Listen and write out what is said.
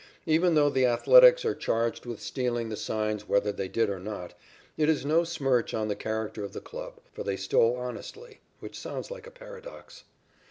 Even though the Athletics are charged with stealing the signs whether they did or not, it is no smirch on the character of the club, for they stole honestly which sounds like a paradox.